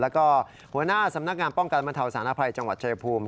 แล้วก็หัวหน้าสำนักงานป้องกันบรรเทาสารภัยจังหวัดชายภูมิ